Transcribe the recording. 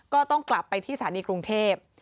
ก็ต้องกลับไปที่สถานีกรุงเทพ